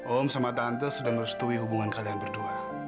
om sama tante sudah merestui hubungan kalian berdua